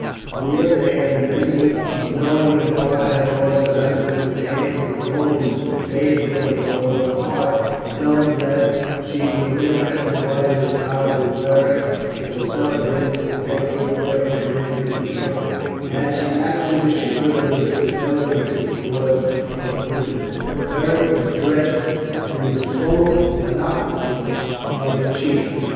On the other hand many, knowing that Parta had lost her husband at the hands of the Romans, and hated them with all her heart, held that she would never have divided her power with Beric, or suffered him to take military command of the tribe, had she not been assured of his fidelity to the cause of Britain. Beric was dressed in the full panoply of a chief.